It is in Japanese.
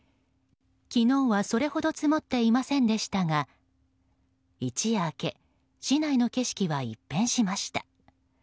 昨日はそれほど積もっていませんでしたが一夜明け市内の景色が一変しました。